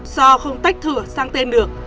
do không tách thửa sang tên được